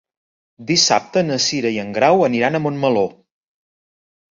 Dissabte na Cira i en Grau aniran a Montmeló.